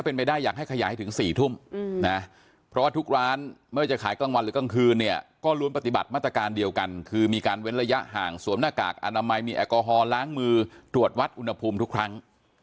สวมหน้ากากอนามัยมีแอลกอฮอล์ล้างมือตรวจวัดอุณหภูมิทุกครั้ง